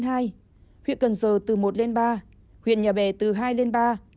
huyện cần giờ từ một lên ba huyện nhà bè từ hai lên ba